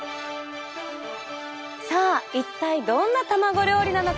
さあ一体どんな卵料理なのか。